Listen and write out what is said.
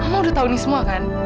mama udah tau ini semua kan